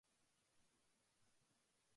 サンドイッチみたいに女の子に挟まれたい